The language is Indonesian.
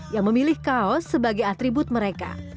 yang memilih kaos sebagai atribut mereka